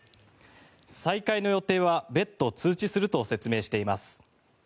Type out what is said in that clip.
再開の予定は別途通知すると説明しています。